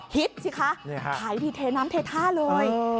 สิคะขายดีเทน้ำเทท่าเลย